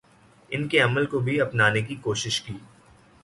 ان کے عمل کو بھی اپنانے کی کوشش کی